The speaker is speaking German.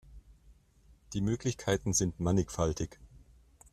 Die Möglichkeiten sind mannigfaltig.